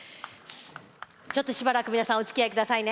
ちょっと、しばらく皆さんおつきあいくださいね。